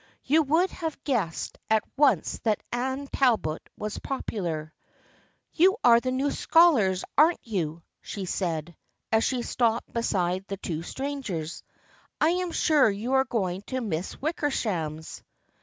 You would have guessed at once that Anne Talbot was popular. " You are new scholars, aren't you ?" she said, as she stopped beside the two strangers. " I am sure you are going to Miss Wickersham's."